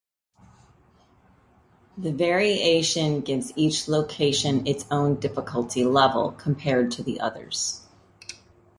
The variation gives each location its own difficulty level compared to the others.